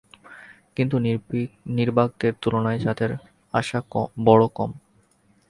কিন্তু নির্বাকদের তুলনায় তাঁদের আশা বড় কম।